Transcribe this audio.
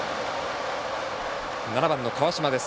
７番の川島です。